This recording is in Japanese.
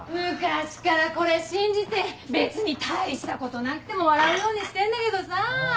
昔からこれ信じて別に大したことなくても笑うようにしてんだけどさぁ。